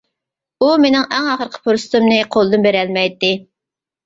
ئۇ مېنىڭ ئەڭ ئاخىرقى پۇرسىتىمنى قولدىن بېرەلمەيتتى.